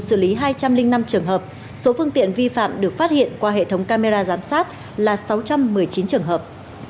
xử lý hai trăm linh năm trường hợp số phương tiện vi phạm được phát hiện qua hệ thống camera giám sát là sáu trăm một mươi chín trường hợp